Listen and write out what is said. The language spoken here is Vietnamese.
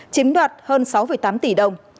chiếm đoạt hơn sáu tám tỷ đồng